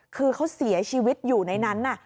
คือเขาเสียชีวิตอยู่ในนั้น